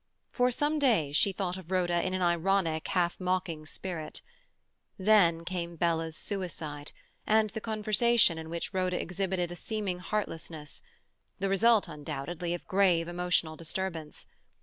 For some days she thought of Rhoda in an ironic, half mocking spirit. Then came Bella's suicide, and the conversation in which Rhoda exhibited a seeming heartlessness, the result, undoubtedly, of grave emotional disturbance.